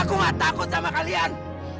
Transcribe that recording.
aku gak takut sama kalian